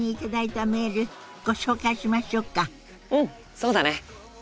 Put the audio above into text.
そうだね。